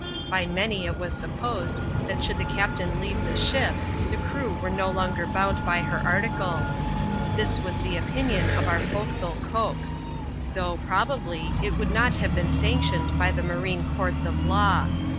By many it was supposed, that should the captain leave the ship, the crew were no longer bound by her articles. This was the opinion of our forecastle Cokes ; though, probably, it would not have been sanctioned by the Marine Courts of Law.